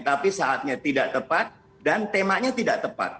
tapi saatnya tidak tepat dan temanya tidak tepat